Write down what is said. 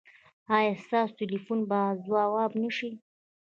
ایا ستاسو ټیلیفون به ځواب نه شي؟